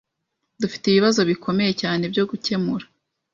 Dufite ibibazo bikomeye cyane byo gukemura.